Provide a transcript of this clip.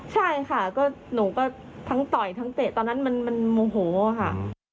ใช่ค่ะก็หนูก็ทั้งต่อยทั้งเตะตอนนั้นมันโมโหค่ะ